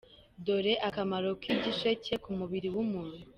Dore akamaro k’igisheke ku mubiri w’umuntu.